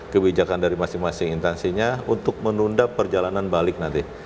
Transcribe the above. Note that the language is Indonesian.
kebijakan dari masing masing intansinya untuk menunda perjalanan balik nanti